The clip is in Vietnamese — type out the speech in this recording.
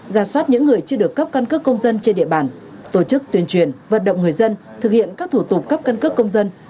ra soát những người chưa được cấp cân cấp công dân trên địa bản tổ chức tuyên truyền vận động người dân thực hiện các thủ tục cấp cân cấp công dân